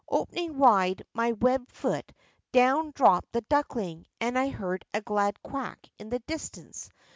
Opening wide my webbed foot, down dropped the duckling, and I heard a glad quack in the distance.